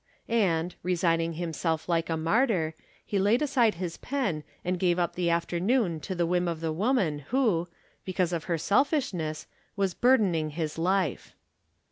And, resigning himself like a martyr, he laid aside" his pen and gave up the afternoon to the whim of the woman who, because of her selfish ness, was burdening his life."